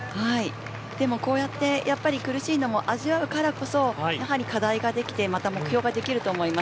でも、こうやって苦しいのも味わうからこそ課題ができて目標ができると思います。